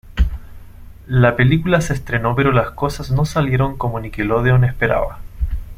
La película se estrenó pero las cosas no salieron como Nickelodeon esperaba.